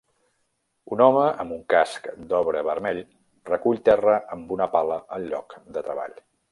Un home amb un casc d'obra vermell recull terra amb una pala al lloc de treball.